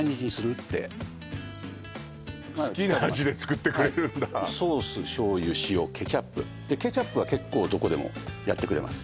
って好きな味で作ってくれるんだソース醤油塩ケチャップでケチャップは結構どこでもやってくれます